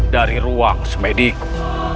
dari ruang semediku